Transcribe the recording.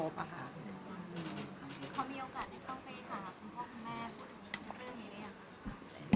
คุณพ่อคุณแม่พูดเรื่อยหรือยัง